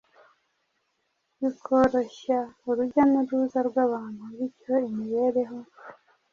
bikoroshya urujya n’uruza rw’abantu bityo imibereho